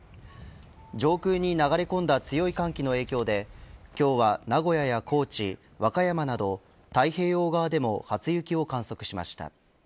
上空に流れ込んだ強い寒気の影響で今日は名古屋や高知、和歌山など太平洋側でも初雪を観測しました。